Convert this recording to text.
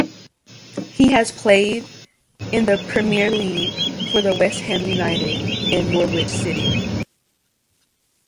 He has played in the Premier League for West Ham United and Norwich City.